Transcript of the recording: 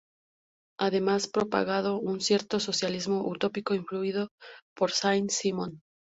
Además, propagó un cierto socialismo utópico influido por Saint-Simon.